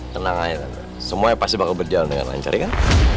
tenang aja kan semuanya pasti bakal berjalan dengan lancar ya kan